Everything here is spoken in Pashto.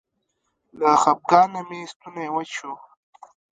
له خپګانه مې ستونی وچ شو.